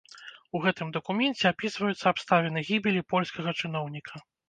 У гэтым дакуменце апісваюцца абставіны гібелі польскага чыноўніка.